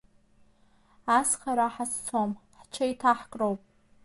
Ас хара ҳазцом, ҳҽеиҭаҳкроуп…